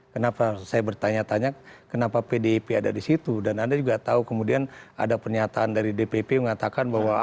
kenapa saya bertanya tanya kenapa pdip ada di situ dan anda juga tahu kemudian ada pernyataan dari dpp mengatakan bahwa